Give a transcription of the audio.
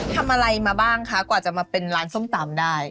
ทำอะไรมาบ้างคะกว่าจะมาเป็นร้านส้มตำได้